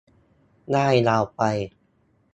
ร่ายยาวไป